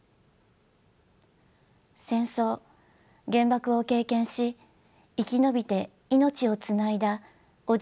戦争原爆を経験し生き延びて命をつないだおじいちゃん